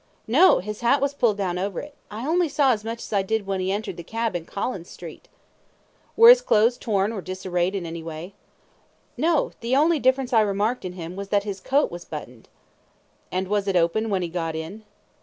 A. No; his hat was pulled down over it. I only saw as much as I did when he entered the cab in Collins Street. Q. Were his clothes torn or disarranged in any way? A. No; the only difference I remarked in him was that his coat was buttoned. Q. And was it open when he got in?